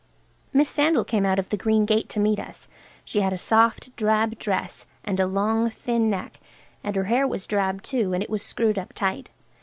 Miss Sandal came out of the green gate to meet us. She had a soft, drab dress and a long thin neck, and her hair was drab too, and it was screwed up tight.